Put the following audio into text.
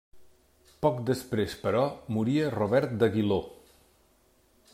Poc després però, moria Robert d'Aguiló.